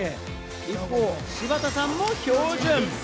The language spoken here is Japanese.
一方、柴田さんも標準。